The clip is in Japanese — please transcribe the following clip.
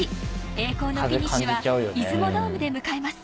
栄光のフィニッシュは出雲ドームで迎えます。